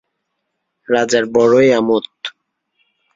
রাজার বড়োই আমোদ।